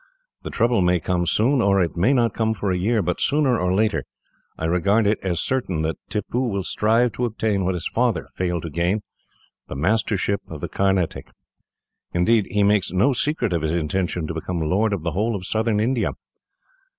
The trouble may come soon, or it may not come for a year; but, sooner or later, I regard it as certain that Tippoo will strive to obtain what his father failed to gain the mastership of the Carnatic. Indeed, he makes no secret of his intention to become lord of the whole of southern India.